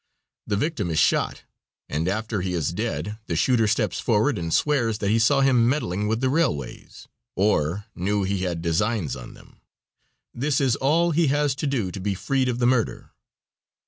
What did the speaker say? The victim is shot, and after he is dead the shooter steps forward and swears that he saw him meddling with the railways, or knew he had designs on them. This is all he has to do to be freed of the murder.